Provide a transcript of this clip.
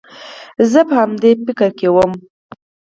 زه په همدې چورت کښې وم.